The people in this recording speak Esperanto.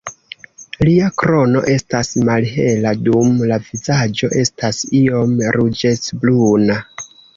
Lia krono estas malhela dum la vizaĝo estas iom ruĝecbruna.